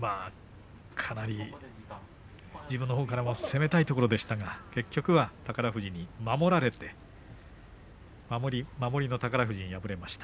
かなり自分のほうから攻めたいところでしたが結局は宝富士に守られて守りの宝富士に敗れました。